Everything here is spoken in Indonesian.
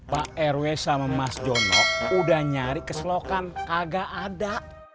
pak irwi sama mas jono udah nyari keselokan kagak ada